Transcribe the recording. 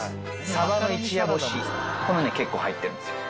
サバの一夜干しこれもね結構入ってるんですよ。